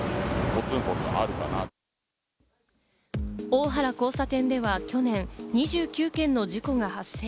大原交差点では去年２９件の事故が発生。